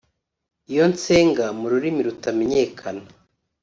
Iyo nsenga mu rurimi rutamenyekana